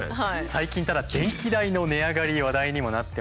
最近ただ電気代の値上がり話題にもなってますけれども。